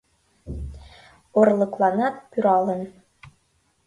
Орлыкланак пӱралын.